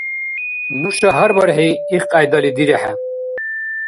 Нуша гьар бархӀи ихкьяйдали дирехӀе.